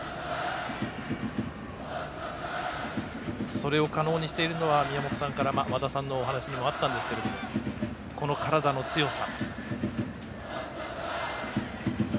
それを可能にしているのは宮本さんから和田さんのお話にもあったんですけどこの体の強さ。